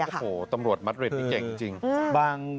โอ้โหตำรวจมัดเรดนี่เก่งจริง